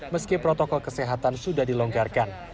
meski protokol kesehatan sudah dilonggarkan